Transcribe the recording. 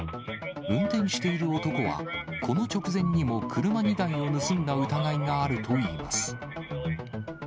運転している男は、この直前にも車２台を盗んだ疑いがあるといいます。